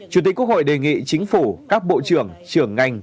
chủ tịch quốc hội đề nghị chính phủ các bộ trưởng trưởng ngành